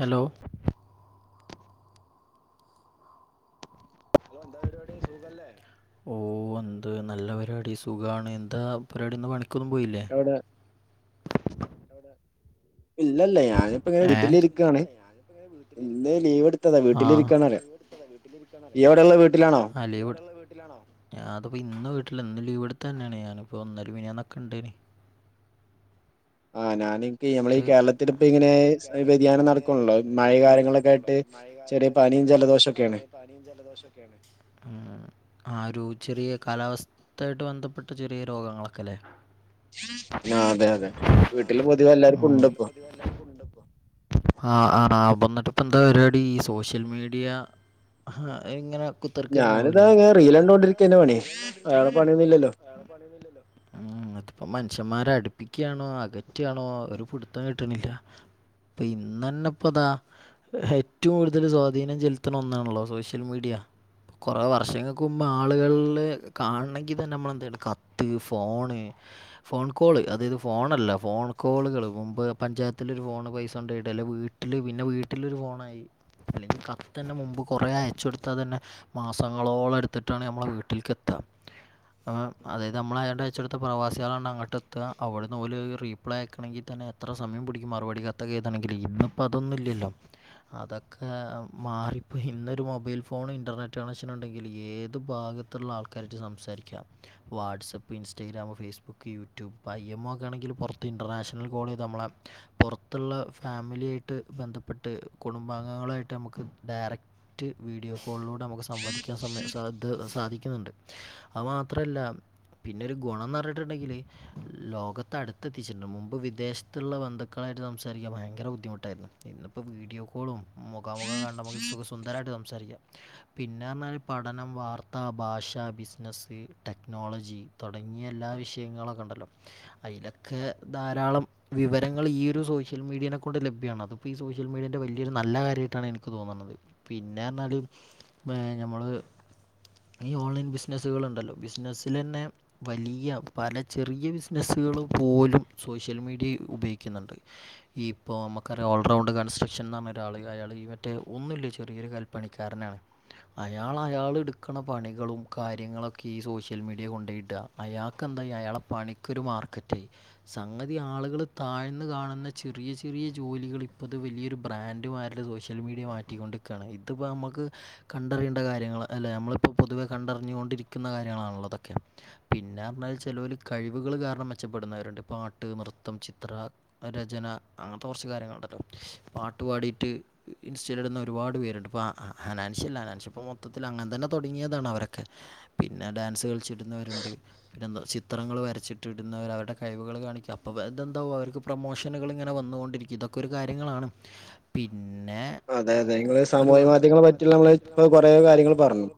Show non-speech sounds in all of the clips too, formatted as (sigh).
Hello. Hello. എന്താ പരിപാടി സുഖല്ലേ? ഓ എന്ത് നല്ല പരിപാടി. സുഖമാണ്. എന്താ പരിപാടി ഇന്ന് പണിക്കൊന്നും പോയില്ലേ? ഇല്ല. ഇല്ലല്ല. ഞാനിപ്പോ ഇങ്ങനെ വീട്ടിലിരിക്കുവാണ്. ഇന്ന് ലീവ് എടുത്തതാ. വീട്ടിലിരിക്കാണ് പറയ. അ ലീവ് എടുത്തു വീട്ടിലാണോ? ഞാൻ ഇതാ ഇപ്പോ വീട്ടില്, ഇന്ന് ലീവെടുത്തെ തന്നെയാണ്. ഞാനിപ്പോ ഇന്നലയും, മിനിഞ്ഞാനോക്കെ ഇണ്ടേനി.. ആ ഞാൻ ഇനികേ, നമ്മള് ഈ കേരളത്തിൽ ഇപ്പം ഇങ്ങനെ വ്യതിയാനം നടക്കണല്ലോ. മഴ കാര്യങ്ങളൊക്കെ ആയിട്ട് ചെറിയ പനിയും, ജലദോഷം ഒക്കെയാണ്. പനിയും, ജലദോഷം ഒക്കെയാണ്. ആ ഒരു ചെറിയ കാലാവസ്ഥായിട്ട് ബന്ധപ്പെട്ട ചെറിയ രോഗങ്ങളൊക്കെ അല്ലേ? ആ അതെ അതെ. വീട്ടിൽ പൊതുവേ എല്ലാ ആഹ്. വീട്ടിൽ പൊതുവേ എല്ലാർക്കും ഉണ്ട്പ്പോ. ആ ആ എന്നിട്ട് ഇപ്പം എന്താ പരിപാടി, ഈ സോഷ്യൽ മീഡിയ ആഹ് ഇങ്ങനെ കുത്തിരിക്ക തന്നെ ആവൂല്ലേ? ഞാനിതാ ഇതാ ഇങ്ങനെ റീൽ കണ്ടോണ്ടിരിക്കല പണി. വേറെ പണിയൊന്നുല്ലലോ. ഉം. ഇതിപ്പോ മനുഷ്യന്മാരെ അടുപ്പിക്കുകയാണോ, അകറ്റാണോ ഒരു പിടിത്തം കിട്ടുന്നില്ല. ഇന്നന്നെ ഇപ്പൊ ഇതാ. ഏറ്റവും കൂടുതൽ സ്വാധീനം ചെലുത്തണ ഒന്നാണല്ലോ സോഷ്യൽ മീഡിയ. കുറെ വർഷങ്ങൾക്ക് മുമ്പ് ആളുകളിൽ കാണണമെങ്കിൽ തന്നെ നമ്മള് എന്ത്‌ ചെയ്യണം കത്ത്, ഫോണ്, ഫോൺ കോള് അതായത് ഫോണല്ല, ഫോൺ കോളുകൾ. മുമ്പ് പഞ്ചായത്തിലൊരു ഫോണ് പൈസ കെണ്ടോയിട്ട്. വീട്ടില്, പിന്നെ വീട്ടിലൊരു ഫോണായി. അല്ലെങ്കിൽ കത്തന്നെ മുമ്പ് കുറെ അയച്ചോടുത്താൽ തന്നെ മാസങ്ങളോളം എടുത്തിട്ടാണ് ഞമ്മളെ വീട്ടിലേക്ക് എത്തുക. അപ്പം അതായത് നമ്മൾ അങ്ങോട്ടയച്ചു കൊടുത്താൽ, പ്രവാസികളാണ് അങ്ങോട്ട് എത്തുക. അവിടെന്ന് ഓല് റീപ്ലൈ ആയക്കണെങ്കിൽ തന്നെ എത്ര സമയം പിടിക്കും മറുപടി കത്തൊക്കെഴുതണെങ്കിൽ, ഇപ്പം അതൊന്നും ഇല്ലല്ലോ. അതൊക്കെ മാറിപ്പോയി. ഇന്നൊരു മൊബൈൽ ഫോണും, ഇന്റർനെറ്റ് കണക്ഷനും ഉണ്ടെങ്കിൽ ഏത് ഭാഗത്ത ത്തുള്ള ആൾക്കാരുമായിട്ട് സംസാരിക്കാം. WhatsApp, Instagram, Facebook, YouTube, I M O, ഒക്കെ ആണെങ്കിൽ പുറത്ത് ഇന്റർനാഷണൽ കോൾ ചെയ്ത നമ്മളെ പുറത്തുള്ള ഫാമിലിയായിട്ട് ബന്ധപ്പെട്ട് കുടുംബാംഗങ്ങളായിട്ട് നമുക്ക് ഡയറക്ട് റ്റ് വീഡിയോ കോളിലൂടെ നമുക്ക് സംവാദിക്കാൻ സമയം സ സാധിക്കുന്നുണ്ട്. അത് മാത്രല്ല പിന്നെ ഒരു ഗുണന്ന് പറഞ്ഞിട്ടുണ്ടെങ്കിൽ ലോകത്തെ അടുത്തെത്തിച്ചിട്ടുണ്ട്. വിദേശത്തുള്ള ബന്ധുക്കളായിട്ട് സംസാരിക്കാൻ ഭയങ്കര ബുദ്ധിമുട്ടായിരുന്നു. ഇപ്പം വീഡിയോ കോളും മുഖാമുഖം കണ്ട് നമുക്ക് സുഖ സുന്ദരമായിട്ട് സംസാരിക്കാ പിന്നാർഞ്ഞാല് പഠനം, വാർത്ത, ഭാഷ, ബിസിനസ്സ്, ടെക്നോളജി തൊടങ്ങിയ എല്ലാ വിഷയങ്ങളൊക്കെ ഉണ്ടല്ലോ അതിലൊക്കെ ധാരാളം വിവരങ്ങള് ഈ ഒരു സോഷ്യൽ മീഡിയനെ കൊണ്ട് ലഭ്യമാണ് അതിപ്പോ ഈ സോഷ്യൽ മീഡിയന്റെ വല്ല്യോരു നല്ല കാര്യമായിട്ടാണ് എനിക്ക് തോന്നുന്നത്. പിന്നെ പർഞ്ഞാല് ഏ ഞമ്മള് ഈ ഓൺലൈൻ ബിസിനസ്സുകള്ണ്ടല്ലോ ബിസിനസ്സിലന്നെ വലിയ പല ചെറിയ ബിസിനസുകൾ പോലും സോഷ്യൽ മീഡിയയിൽ ഉപയോഗിക്കുന്നുണ്ട്. ഈ ഇപ്പോ നമ്മക്കറിയാ ഓൾറൗണ്ട് കൺസ്ട്രക്ഷൻ എന്നു പറഞ്ഞ ഒരാള്. അയാള് ഈ മറ്റേ ഒന്നുല്ല ചെറിയൊരു കൽ പണിക്കാരനാണ് അയാള് അയാള്ട്ക്കണ പണികളും കാര്യങ്ങളൊക്കെ ഈ സോഷ്യൽ മീഡിയ കൊണ്ട്ടാ അയാക്ക് എന്തായി അയാള പണിക്കൊരു മാർക്കറ്റായി സംങ്ങതി ആളുകൾ താഴ്ന്ന കാണുന്ന ചെറിയ ചെറിയ ജോലികള് ളിപ്പത് വലിയൊരു ബ്രാൻഡ്മാരുടെ സോഷ്യൽ മീഡിയ മാറ്റിക്കൊണ്ടിക്കയാണ് ഇതിപ്പോ നമുക്ക് കണ്ടറിയേണ്ട കാര്യങ്ങള് അല്ലെ കണ്ടറിയണ്ട കാര്യങ്ങള അല്ലേ നമ്മളിപ്പോ പൊതുവെ കണ്ടറിഞ്ഞുകൊണ്ടിരിക്കുന്ന കാര്യങ്ങളാണല്ലോതൊക്കെ പിന്നെറഞ്ഞാല് ചെലോല് കഴിവുകൾ കാരണം മെച്ചപ്പെടുന്നവരുണ്ട് പാട്ട് നൃത്തം ചിത്ര രചന അങ്ങൻത്ത കൊർച്ച് കാര്യങ്ങളുണ്ടല്ലോ പാട്ട് പാടിട്ട് ഇൻസ്റ്റേ ഇയില്ടുന്നഒരുപാട് പേരുണ്ട് ഇപ്പ അനാഷ്യൽ അനാൻഷ്യൽ പ് മൊത്തത്തിൽ അങ്ങൻതന്നെ തുടങ്ങിയതാണ് അവരൊക്കെ പിന്നെഡാൻസ് കളിച്ചിടുന്നവരുണ്ട് പിന്നെന്തചിത്രങ്ങൾ വരച്ചിട്ടി ടുന്നവർ അവരുടെ കൈ കള്കാണിക്കുംപ്പ ഇതെന്താവകും അവർക്ക് പ്രൊമോഷനുകൾ ഇങ്ങനെ വന്നുകൊണ്ടിരിക്കും ഇതൊക്കെ ഒരു കാര്യങ്ങളാണ് പിന്നെ അതെ അതെ ഇങ്ങള് സമൂഹിക മാധ്യമങ്ങളെ പറ്റി നമ്മള്ഇപ്പ കുറേ കാര്യങ്ങള് പറഞ്ഞു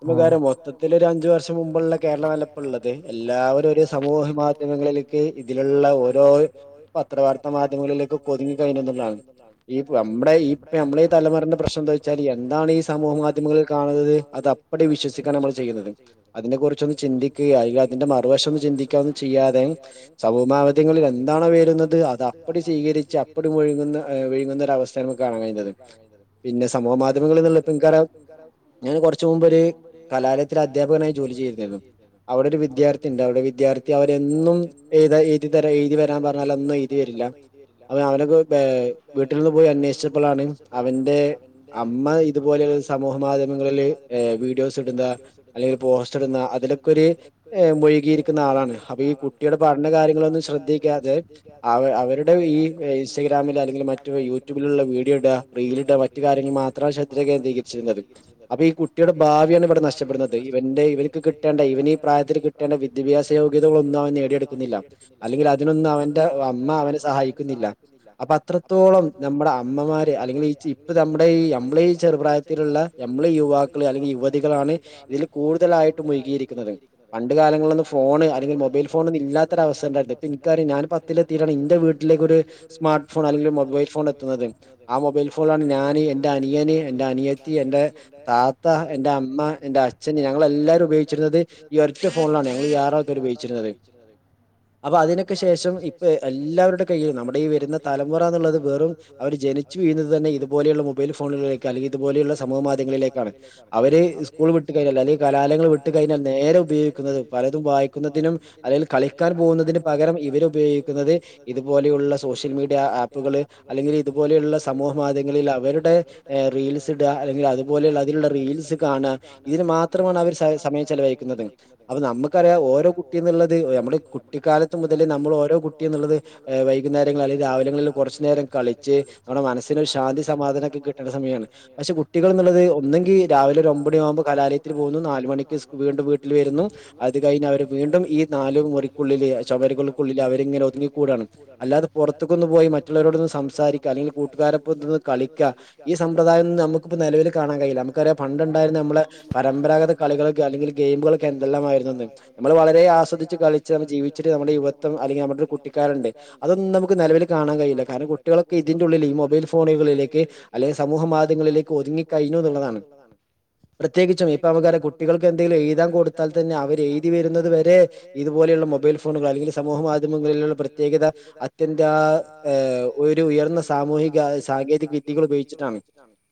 പിന്നൊരു കാര്യം മൊത്തത്തിലൊര് അഞ്ചു വർഷം മുമ്പുള്ള കേരളം അല്ലപ്പള്ളത് എല്ലാവരും ഒരു സമൂഹ മാധ്യമങ്ങളില് ക്ക് ഇതിലുള്ള ഓരോ പത്രവർത്താ മാധ്യമങ്ങളിലേക്ക് കൊതിങ്ങി കയ്ഞ്ഞുള്ളതാണ് ഈ പമ്പടെ ഈ ഇപ്പ നമ്മള ഈ തലമുറന്റെ പ്രശ്നം എന്താ വെച്ചാല് എന്താണ് ഈ സമൂഹ മാധ്യമങ്ങളിൽ കാണുന്നത് അത് അപ് പടെ വിശ്വസിക്കാണ് നമ്മള് ചെയ്യുന്നത് അതിനെ കുറിച്ചൊന്ന് ചിന്തിക്കുകയ അല്ല അതിന്റെ മറുവശം ഒന്ന് ചിന്തിക്ക ഒന്നും ചെയ്യാതെ സമൂഹമാവധങ്ങളിൽ എന്താണോവെരുന്നത് അത് അപ്പടി സ്വീകച്ച് അപ്പടി ഒഴുങ്ങുന്ന വിയുങ്ങുന്നൊര അവസ്ഥാണ് കാണാകയുന്നത് പിന്നെ സമൂഹ മാധ്യമങ്ങളു (unintelligible) ഞാന്കൊർച് മുമ്പൊര് കലാലയ ഒരധ്യാപകനായി ജോലി ചെയ്യ (unintelligible) അവിടെ ഒരു വിദ്യാർത്ഥിണ്ട് അവിടെ വിദ്യാർത്ഥി അവര് എൻ ന്നും ഏയ്ത എയ്തി തരം എയ്തി വരാൻ പറഞ്ഞാലൊന്നും എയ്തി വര്ല്ല അവന് അവനൊരു ബേ വീട്ടിൽ നിന്ന് പോയി അന്നേശിച്ചപ് പ്പളാണ് അവന്റെ അമ്മ ഇതുപോലെര് സമൂഹ മാധ്യമങ്ങളില് വീഡിയോസ് ഇട്ന്നാ അല്ലെല് പോസ്റ്റ് ഇടുന്ന അതിലൊക്കെ ഒരു മുയികിയിരിക്കുന്ന ആളാണ് അപ്പ ഈ കുട്ടിയുടെ പഠന കാര്യങ്ങളൊന്നും ശ്രദ്ധിക്കാതെ അവ അവരുടെ ഈ ഇൻസ്റ്റഗ്രാമില് അല്ലെങ്കിൽ മറ്റ് (unintelligible) യുട്യൂബിലുള്ള വീഡ് യിടാ റില്ടാ മറ്റ്കാര്യങ്ങൾ മാത്രമാണ് സ്രദ്ധകേന്ദ്രീകരിച്ചിരുന്നത് അപ്പ ഈ കുട്ടിയുടെ ഭാവിയണ് ഇവിടെ നഷ്ടപ്പെടുന്നത് ത ഇവന്റെ ഇവരെക്ക്ക്കിട്ടേണ്ട ഇവനീ പ്രായത്തില് കിട്ടേണ്ട വിദ്യാഭ്യാസ യോഗ്യതകളൊ ന്നും അവൻ നേടിയെടുക്കുന്നില്ല അല്ലെങ്കില് അതിനൊന്നും അവ ന്റെഅമ്മ അവനെസഹായിക്കുന്നില്ല അപ്പൊ അ അത്രത്തോളം നമ്മട അമ്മ മ്മമാര് അല്ലെങ്കില് ഈ ചി ഇപ്പ നമ്മടെ ഈ എംപ്ലൈ ചെറുപ്രായത്തിലിള്ള എം പ്ലയുവാക്കള് അല്ലെങ്കിൽ യുവതികളാണ് ഇതില് കൂടുതലായിട്ട് മുയികിയിരിക്കുന്നത് പണ്ട് കാലങ്ങളിലൊന്ന് ഫോണ് അല്ലെങ്കിമൊബൈൽഫോണ് ഇല്ലാത്തൊരവസ്ഥ ഇണ്ടായി ട്ട്ണ്ട് ഇനിക്റിയുംഞാൻ പത്തിലത്തിയിട്ടാണ് ന്റെ വീട്ടിലേക്ക് ഒരു സ്മാർട്ട് ഫോൺ അല്ല മൊബൈൽ ഫോൺ എത്തുന്നത് ആഹ് മൊബൈൽ ഫോ ണിലാണ് ഞാന് എന്റെ അനിയന് എന്റെ അനിയത്തി എൻ്റെ താ ത്ത എന്റെഅമ്മ എന്റെഅച്ഛൻ ഞങ്ങള എല്ലാരും പയോഗിചിരുന്നത് ഈ ഒരൊറ്റ ഫോണിലാണ് ഞങ്ങള് ഈ ആറാൾക്കാര് ഉപയോ ൾർഭോഗിച്ചിര (unintelligible) അപ്പോ അതിനോക്കെ ശേഷം ഇപ്പോ എല്ലാവരുടെ കൈയ്ലും നമ്മുടെ ഈ വരുന്ന തലമുറ എന്നുള്ളത് വെറും അവര് ജനിച്ചു വീഴുന്നത് തന്നെ ഇതുപോലെയുള്ള മൊബൈൽ ഫോണുകളിലേക്ക് അല്ലെങ്കിൽ ഇതുപോലെയുള്ള സമൂഹ മാധ്യങ്ങളിലേക്കാണ് അവര് സ്കൂൾ വിട്ട് കഴിഞ്ഞാൽ അല്ലെങ്കിൽ കലാലയങ്ങൾ വിട്ടു കയിഞ്ഞാൽ നേരെ ഉപയോയിക്കുന്നത് പലതും വായിക്കുന്നതിനും ഹും അതില് കളിക്കാൻ പോകുന്നതിന് പകരം ഇവരു ഉപയോഗിക്കുന്നത് ഇതുപോലെയുള്ള സോഷ്യൽ മീഡിയ ആപ്കള് അല്ലെങ്കിലീ ഇത്പോലെയുള്ള സമൂഹ മാധ്യങ്ങളിൽ അവരുടെ റീൽസ് ഇട്ക അല്ലെങ്കിള് അതുപോലെഉള്ള അതിൽ ഉള്ള റീൽസ് കാണ്ക ഇതിന് മാത്രമാണ് അവർ സ സമയം ചെലവഴിക്കുന്നത്. അപ്പോ നമ്മക്കറിയാം ഓരോ കുട്ടിയും ന്ന്ള്ളത് ഞമ്മടെ കുട്ടിക്കാലത്ത് മുതല് നമ്മള് ഓരോ കുട്ടിന്നള്ളത് വൈകുന്നേരങ്ങള് അല്ല രാ രാവിലങ്ങളില് കുറച്നേരം കളി ച്ച് നമ്മടെ മനസ്നൊരു ശാന്തി സമാധാനം ഒക്കെ കിട്ട്നൊരു സമയാണ് പക്ഷെ കുട്ടികൾ എന്നുള്ളത് ഒന്നങ്കി രാവിലെ ഒരു ഒമ്പത്മണി ആവുമ്പോ കലാലയത്തിൽ പോന്നു. നാല് മണിക്ക് സ്കൂൾവിണ്ടും വീട്ടിൽ വരുന്നു അത് കയിഞ്ഞ് അവർ വീണ്ടും ഈ നാല് മുറിക്കുള്ളില് ചുമരുകൾക്കുള്ളില് അവരിങ്ങനെ ഒതുങ്ങിക്കൂടാണ്, അല്ലാതെ പുറത്തക്ക് ഒന്ന് പോയി മറ്റുള്ളവരോട് സംസാ സാരിക്ക അല്ലെങ്കിൽ കൂട്ടുകാരഒപ്പോന്ന് കളിക്ക ഈ സമ്പ്രദായൊന്നും ഞമ്മക്ക് ഇപ്പൊ നിലവിൽ കാണാൻ കഴിയില്ല. മ ക്കറിയാം പണ്ട് ഉണ്ടായിരുന്ന ഞമ്മളെ പരമ്പരാഗത കളികളൊക്കെ അല്ലെങ്കിൽ ഗെയിമുകളോക്കെ എന്തെല്ലാമായിരുന്നു എന്ന് നമ്മൾ വളരെ രെ ആസ്വദിച്ച് കളിച്ച് നമ്മൾ ജീവിച്ട്ട് നമ്മുടെ യുവത്വം അല്ലെങ്കിൽ നമ്മുടെ ഒരു കുട്ടിക്കാലം ഉണ്ട്. അതൊന്നും നമ്മക്ക് നിലവിൽ കാണാൻ കഴിയില്ല കാരണം കുട്ടികളൊക്കെ ഇതിന്റെ ഉള്ളിൽ ഈ മൊബൈൽ ഫോണുകളിലേക്ക് അല്ലെങ്കിൽ സമൂഹ മാധ്യമങ്ങളിലേക്ക് ഒതുങ്ങിക്കഴിഞ്ഞു എന്നുള്ളതാണ് പ്രത്യേകിച്ചും ഇപ്പോ നമ്മൾക് അറിയ കുട്ടികൾക്ക് എന്തെലും എഴുതാൻ കൊടുത്താൽ തന്നെ അവരെഴുതി വരുന്ന ന്നത് വരെ ഇതുപോലെയുള്ള മൊബൈൽ ഫോണുകൾ അല്ലെങ്കിൽ സമൂഹ മാധ്യമങ്ങളിലുള്ള പ്രത്യേകത അതിന്റെഒരു ഉയർന്ന സാമൂഹിക സാങ്കേതിക വിദ്യകളുപയോഗിച്ചിട്ടാണ്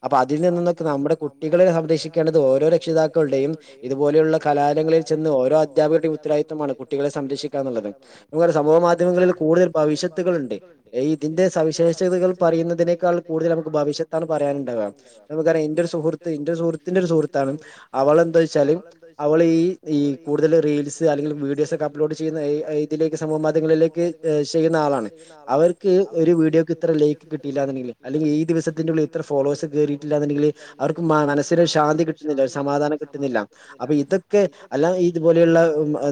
അപ്പൊ അതിൽ നിന്നന്നൊക്കെ നമ്മുടെ കുട്ടികളെ സംരക്ഷിക്കേണ്ടത് ഓരോ രക്ഷിതാക്കളുടെയും ഇതുപോലെയുള്ള കലാലങ്ങളിൽ ചെന്ന് ഓരോ അധ്യാപകരുടെയും ഉത്തരവാതിത്വമാണ് കുട്ടികളെ സംരക്ഷിക്കാന്നുള്ളത്. നമുക്കറിയാസമൂഹ മാധ്യമങ്ങളിൽ കൂടുതൽ ഭവിഷ്ത്തുകളുണ്ട് എയ് ഇതിന്റെ സവിശേഷതകൾ പറയുന്നതിനേക്കാൾ കൂടുതൽ നമ്മക്ക് ഭവിഷത്താണ് പറയാന് ഉണ്ടാക നമുക്കറിയ ഇന്റെ ഒരു സുഹൃത്ത് ഇന്റെ സുഹൃത്തിന്റെ ഒരു സുഹൃത്താണ് അവളെന്താ വച്ചാല് അവളീ ഈ കൂടുതൽ റീൽസ് ത് അല്ലെങ്കിൽ വീഡിയോസൊക്കെ അപ്ലോഡ് ചെയ്യുന്ന ഇതിലേക്ക് സമൂഹ മാധ്യമങ്ങളിലേക്ക് ചെയ്യുന്ന ആളാണ്, അവർ ക്ക് ഒരു വീഡിയോയ്ക്ക് ഇത്ര ലൈക്ക് കിട്ടീല്ലാന്ന് ഉണ്ടെങ്കില് അല്ലെങ്കില് ഈ ദിവസത്തിന്റുള്ളില് ഇത്ര ഫോളോഴ്സ് കേറീറ്റ്ല്ലാന്ന്ണ്ടെങ്കില് കി അവർക്ക് മനസ്സിന് ശാന്തി കിട്ടുന്നില്ല, സമാധാനം കിട്ടുന്നില്ല. അപ്പൊ ഇതൊക്കെ അല്ല ഇതുപോലെയുള്ള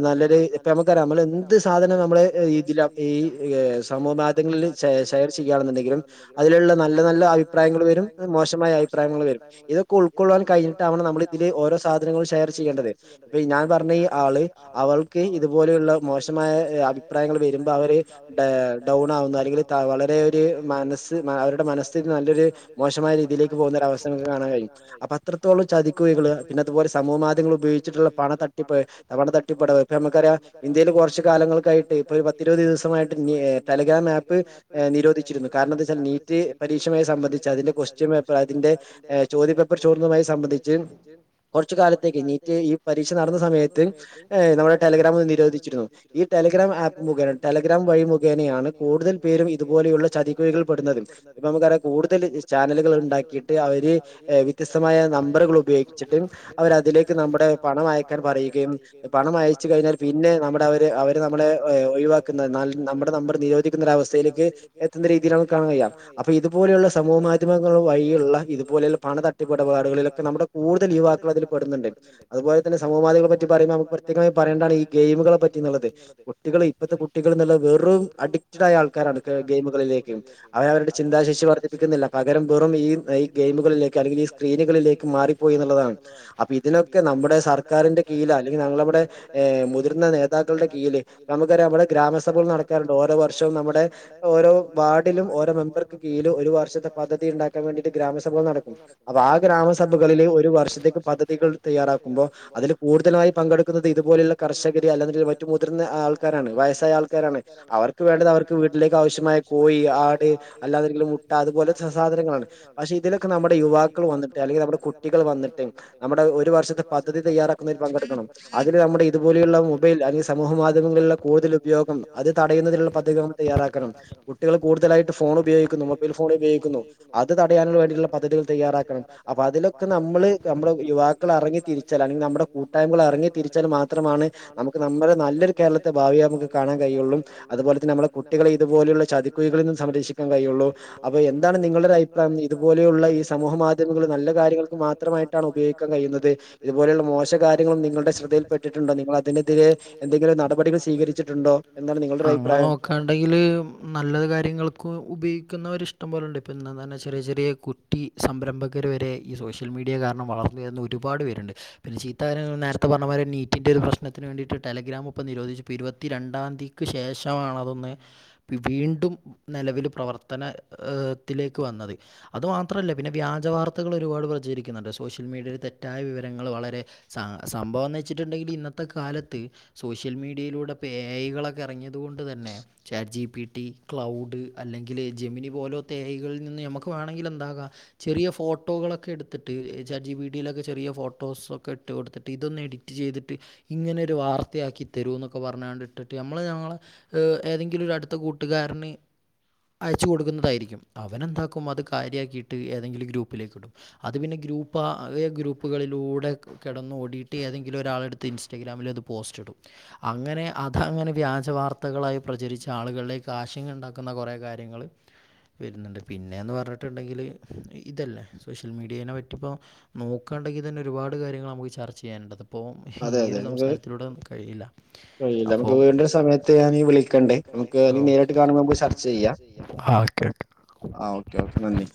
നല്ലൊരു ഇപ്പൊ നമ്മക്കറിയാ നമ്മളെന്ത് സാധനം നമ്മള് ഈ ഇതില ഈ സമൂഹ മാ ദ്യങ്ങളിൽ ഷെയർ ചെയ്യാണ് എന്ന്ണ്ടെങ്കിലും അതിലുള്ള നല്ല നല്ല അഭിപ്രായങ്ങൾ വരും മോശമായ അഭി പ്രായങ്ങൾ വരും. ഇതൊക്കെ ഉൾക്കൊള്ളാൻ കയിഞ്ഞിട്ടാവണം നമ്മലിതില് ഓരോ സാധനങ്ങളും ഷെയർ ചേയ്യേണ്ടത് ഇപ്പൊ ഞാൻ പറഞ്ഞ ഈ വള് അവൾക്ക് ഇതുപോലെയുള്ള മോശമായ അഭിപ്രായങ്ങള് വരുമ്പോ അവര് ഏഹ് ഡൌട്ട് ന്ന അല്ലെങ്കില് വളരെ ഒരു മനസ് അവരുടെ മനസ് നല്ലൊരു മോശമായ രീതിയിലേക്ക് പോകുന്നരവസഥ നമ്മക്ക് കാണാൻ കഴിയും അപ്പോ അത്രത്തോളം ചതിക്കുഴികള് പിന്നതുപോലെ സമൂഹാ മാധ്യമങ്ങൾ ഉപയോഗിച്ചിട്ടുള്ള പണ തട്ടിപ്പ് തടെ തട്ടിപ്പ്ടവ് ഇപ്പോ ഞമ്മക്കറിയാ ഇന്ത്യയിൽ കൊറച്ച് കാലങ്ങൾക്കായിട്ട് ഇപ്പൊര് പത്തിരുവത് ദിവസമായിട്ട് നി ടെലിഗ്രാം ആപ്പ് നിരോധിച്ചിരുന്നു. കാരണന്താ വെച്ചാല് നീറ്റ് പരീക്ഷയേ സംബന്ധിച്ച് അതിന്റെ കൊസ്റ്റ്യൻ പേ സ്റ്റിൻ പേപ്പർ അതിന്റെ ഏഹ് ചോദ്യപേപ്പർ ചോർന്നതുമായി സംബന്ധിച്ച് കുറച്ച് കാലത്തേക്ക് നീറ്റ് ഈ പരീക്ഷ നടന്ന സമയത്ത് ഏഹ് നമ്മടെ ടെലിഗ്രാം നിരോധിച്ചിരുന്നു. ഈ ടെലിഗ്രാം ആപ്പ് മുഖേനെ ടെലഗ്രാം വഴി മു മുഖേനയാണ് കൂടുതൽ പേരും ഇതുപോലെയുള്ള ചതിക്കുഴികൾ പെടുന്നത്. ഇപ്പോ നമുക്കറിയാം കൂടുതൽ ചാനലുകൾ ഉണ്ടാക്കിയിട്ട് അവര് വ്യത്യസ്തമായ നമ്പറുകൾ ഉപയോഗിച്ചിട്ട് അവരതിലേക്ക് നമ്മുടെ പണം അയക്കാൻ പറയും പണം അയച്ചു കഴിഞ്ഞാൽ പിന്നെ നമ്മടെ അവര് അവര് നമ്മടെ ഒഴിവാക്കുന്ന നമ്മ നമ്പർ നിരോധിക്കുന്ന ഒര് അവസ്ഥയിലക്ക് എത്തുന്ന രീതിയിലൊക്കെ കാണാൻ കഴിയാ. അപ്പൊ ഇതുപോലെയുള്ള സമൂഹ മാ ധ്യമങ്ങൾ വഴിയിള്ള ഇതുപോലെല്ല പഇതുപോലൊക്കെ വഴിയുള്ള ഇതുപോലുള്ള പണ തട്ടിപ്പെടപാടുകളിലൊക്കെ നമ്മുടെ കൂടുതൽ യവാക്കളതില് പെട്ന്ന്ണ്ട് അതുപോെലെതന്നെ സമൂ സമൂഹ മാധ്യമങ്ങളപറ്റി പറയുമ്പോ നമക്ക് പ്രത്യകായി പറയണ്ടാണ് ഈ ഗെയിമുകളെ പറ്റീള്ളത് കുട്ടികള് ഇപ്പത്തെ കുട്ടികള് റും അഡിക്റ്റഡ് ആയ ആൾക്കാരാണ് ഗെയിമുകളിലേക്ക് അവ അവരുടെ ചിന്താശേഷി വർദ്ധിപ്പിക്കുന്നില്ല പകരം വെറും ഈ ഈ ഗെയിമുകളിലേക്ക് അല്ലെങ്കിൽ ഈ സ്ക്രീനുകളിലേക്ക് മാറിപ്പോയി ന്നുള്ളതാണ് അപ്പ ഇതിനൊക്കെ നമ്മുടെ സർക്കാരിന്റെ കീഴില് അല്ലെങ്കി ഞങ്ങളടെ ബടെ മുതിർന്ന നേതാക്കൾടെ കീഴില്. ന മ്മക്കറിയാം ബടെ ഗ്രാമസഭകൾ നട ക്കാറ്ണ്ട് ഓരോ വർഷവും നമ്മുടെ ഓരോ വാർഡിലും ഓരോ മെമ്പർക്ക് കീഴില് ഒരു വർഷത്ത പദ്ധതി ണ്ടാക്കി ൻ വേണ്ടിട്ട് ഗ്രാമസഭകൾ നടക്കും അപ്പ ആ ഗ്രാമസഭകളില് ഒരു വർഷത്തേക്ക് പദ്ധതികൾ തയ്യാറാക്കുമ്പോ അതില് കൂടു തലായി പങ്കെടുക്കുന്നത് ഇതുപോലെള്ള കർഷകര് അല്ലന്ന്ണ്ടെ മറ്റു മുതിർന്ന ആൾക്കാരാണ് വയസ്സായ ആൾക്കാരാണ് അവർക്ക് വേണ്ടത് അവർക്ക് വീട്ടിലേക്ക് ആവശ്യമായ കോഴി ആട് അല്ലാതങ്കിലും മുട്ട അതുപോലത്തെ സാധനങ്ങളാണ് പക്ഷെ ഇതിലൊക്കെ നമ്മടെ യുവാക്കൾ വന്നിട്ട് അല്ലെങ്കി നമ്മുടെ കുട്ടികൾ വന്നിട്ട് നമ്മുടെ ഒരു വർഷത്തെ പദ്ധതി തയ്യാറ പങ്കെടുക്കണം അതിന് നമ്മുടെ ഇതുപോലെയുള്ള മൊബൈൽ അല്ലെൽ സമൂഹ മാധ്യമങ്ങളിലുള്ള കൂടുതൽ ഉപയോഗം അത് തടയുന്നലുള്ള പദ്ധതി നാം തയ്യാറാക്കണം കുട്ടികൾ കൂടുതലായിട്ട് ഫോൺ ഉപയോഗിക്കുന്നു മൊബൈൽ ഫോൺ ഉപയോഗിക്കുന്നു അത് തടയാന് വേണ്ടിട്ടുള്ള പദ്ധതികൾ തയ്യാറാക്കണം അപ്പൊ അതിലൊക്കെ നമ്മള് നമ്മളെ യുവാക്കൾ എറങ്ങി തിരിച്ചാൽ അല്ലെ നമ്മുടെ കൂട്ടായ്മകൾ എറങ്ങി തിരിച്ചാൽ മാത്രമാണ് നമുക്ക് നമ്മടെ നല്ലൊരു കേരളത്തെ ഭാവിയെ നമക്ക് കാണാൻ കഴിയുകയുള്ളൂ അതുപോലെ തന്നെ നമ്മളെ കുട്ടികളെ ഇതുപോലുള്ള ചതിക്കുഴികളിൽ നിന്നും സംരക്ഷിക്കാൻ കഴിയുള്ളൂ അപ്പൊ എന്താണ് നിങ്ങള്ടെ ഒര ദാൺ ഇതുപോലെയുള്ള ഈ സമൂഹ മാധ്യമങ്ങൾ നല്ല കാര്യങ്ങൾക്ക് മാത്രമായിട്ടാണ് ഉപയോഗിക്കാൻ കഴിയുന്നത് ഇതുപോലെ മോശകാര്യങ്ങളും നിങ്ങളുടെ ശ്രദ്ധയിൽപ്പെട്ടിട്ടുണ്ടോ? നിങ്ങളതിനെതിരെ എന്തെങ്കിലും നടപടികൾ സ്വീകരിച്ചിട്ടുണ്ടോ? ന്താണ് നിങ്ങളുടെ ഒരഭിപ്രായം? കടെയ്ൽ നല്ലത് കാര്യങ്ങൾക്ക് ഉപയോഗിക്കുന്നവരിഷ്ടംപോലെുണ്ട് ഇപ്പം തന്നെ ചെറിയ ചെറിയ കു ട്ടി സംരംഭകർ വരെ ഈ സോഷ്യൽ മീഡിയ കാരണം വളർന്നു വരുന്ന ഒരുപാട് പേരുണ്ട്. പിന്നെ ചീത്താരൻ നേരത്തെ പറഞ്ഞ പോലെ നീറ്റിന്റെ ഒരു പ്രശ്നത്തിന് വേണ്ടിട്ട് ടെലഗ്രാം പ്പോ നിരോധിച്ചു പ്പൊ ഇരുപത്തിരണ്ടാന്തി. ക്ക് ശേഷമാണതൊന്ന്. വി വീണ്ടും നിലവില് പ്രവർത്തനഏ ത്തിലേക്ക് വന്നത്. അത് മാത്രമല്ല പിന്നെ വ്യാജ വാർത്തകൾ ഒരുപാട് പ്രചരിക്കുന്നുണ്ട് സോഷ്യൽ മീഡിയയിൽ തെറ്റായ വിവരങ്ങൾ വള രെ സംഭവം എന്ന് വെച്ചിട്ടുണ്ടെങ്കിൽ ഇന്നത്തെ കാലത്ത്. സോഷ്യൽ മീഡിയയിലൂടെ പ്പൊ എ ഐ കളൊക്കെ അറങ്ങിയത് കൊണ്ട് തന്നെ. Chat G P T, Claude അല്ലെങ്കിൽ ജെമിനി പോലോത്തെ എ ഐകളിൽ നിന്ന് നമുക്ക് വേണമെങ്കിൽ എന്താകാ. ചെറിയ ഫോട്ടോകളൊക്കെ എടുത്തിട്ട് ചാറ്റ് ജി പി ടി യിലൊക്കെ യിലൊക്കെ ചെറിയ ഫോട്ടോസൊ ക്കെ ഇട്ട് കൊടുത്തിട്ട് ഇതൊന്ന് എഡിറ്റ് ചെയ്തിട്ട്. ഇങ്ങനൊരു വാർത്തയാക്കി തരൂന്നൊക്കെ പറഞ്ഞാണ്ട് ഇട്ടിട്ട് നമ്മള് നാളെ ഊ ഏതെങ്കിലും ഒരടുത്ത കൂട്ടുകാരന്. അയച്ച് കൊടുക്കുന്നതായിരിക്കും അവനെന്താക്കും അത് കാര്യയാക്കിയിട്ട് ഏതെങ്കിലും ഗ്രൂപ്പിലേക്ക് ഇടും. അത് പിന്നെ ഗ്രൂപ്പ് ആ ഗ്രൂപ്പുകളിലൂടെ കെടന്ന് ഓടീട്ട് ഏതെങ്കിലും ഒരാളെടുത്ത് ഇൻസ്റ്റാഗ്രാമിൽ അത് പോസ്റ്റ് ഇടും. അങ്ങനെ അതങ്ങനെ വ്യാജ വർത്തകളായി പ്രചരിച്ച് ആളുകളിലേക്ക് ആശങ്ക ഉണ്ടാക്കുന്ന കുറെേ കാര്യങ്ങള്. വരുന്നുണ്ട്. പിന്നെന്ന് പറഞ്ഞിട്ടുണ്ടെങ്കിൽ ഇതല്ലേ സോഷ്യൽ മീഡിയേനെ പറ്റിപ്പോ നോക്കാണ്ടെങ്കിൽ തന്നെ ഒരുപാട് കാര്യങ്ങൾ നമുക്ക് ചർച്ച ചെയ്യാനുണ്ട് പ്പോ ഈയൊരു സംസാരത്തിലൂടെ നമുക്ക് കഴിയില്ല അപ്പോ വീണ്ടു സമയത്ത് ഞാനീ വിളി ക്കണ്ട് ആ നേരിട്ട് കാണുമ്പോ ചർച്ചചെയ്യാം ആഹ് കെ. ആഹ് ഓക്കെ ഓക്കെ നന്ദി.